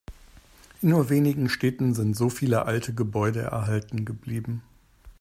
In nur wenigen Städten sind so viele alte Gebäude erhalten geblieben.